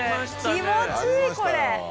気持ちいいこれ。